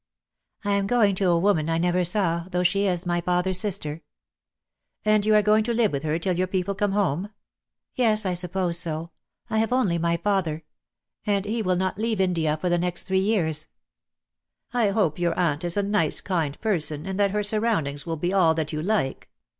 "I am going to a woman I never saw, though she is my father's sister." "And you are going to live with her till your people come home?" "Yes, I suppose so. I have only my father. 26 DEAD LOVE HAS CHAINS. and he will not leave India for the next three years." "I hope your aunt is a nice, kind person, and that her surroundings will be all that you like."